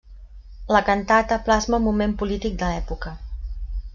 La cantata plasma el moment polític de l'època.